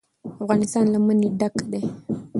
افغانستان له منی ډک دی.